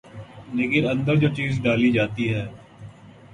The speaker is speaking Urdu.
لیکن اندر جو چیز ڈالی جاتی ہے۔